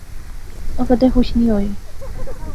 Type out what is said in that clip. او کیدے خوش نی ہوئے